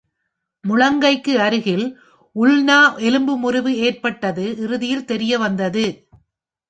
முழங்கைக்கு அருகில் உல்னா எலும்பு முறிவு ஏற்பட்டது இறுதியில் தெரியவந்தது.